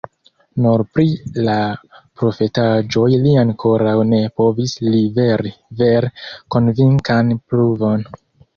Nur pri la profetaĵoj li ankoraŭ ne povis liveri vere konvinkan pruvon.